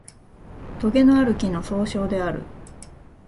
とげのある木の総称である